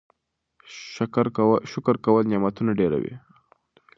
شکر کول نعمتونه ډیروي.